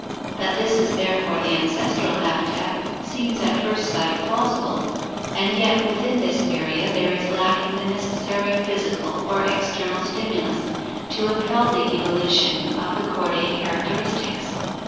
That this is therefore the ancestral habitat seems at first sight plausible,1 and yet within this area there is lacking the necessary physical or external stimulus to impel the evolution of the chordate charac teristics.